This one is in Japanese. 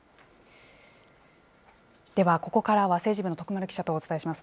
ではここからは政治部の徳丸記者とお伝えします。